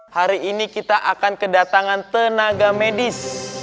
hari ini kita akan kedatangan tenaga medis